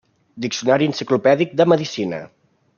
Diccionari Enciclopèdic de Medicina.